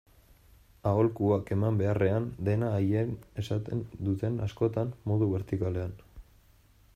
Aholkuak eman beharrean, dena haiek esaten dute askotan, modu bertikalean.